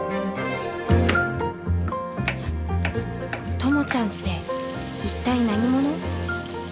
ともちゃんって一体何者？